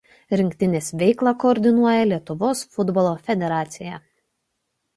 Rinktinės veiklą koordinuoja Lietuvos futbolo federacija.